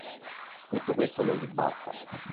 Tutto questo non gli basta.